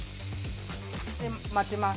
待ちます。